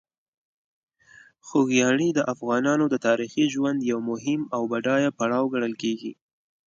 خوږیاڼي د افغانانو د تاریخي ژوند یو مهم او بډایه پړاو ګڼل کېږي.